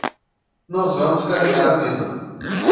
Nós vamos carregar a mesa.